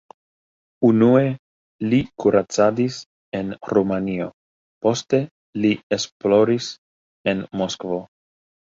Unue li kuracadis en Rumanio, poste li esploris en Moskvo.